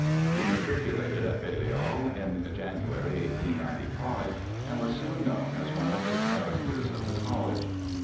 He matriculated at Balliol in January, 1895, and was soon known as one of the "characters" of the college.